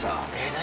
何？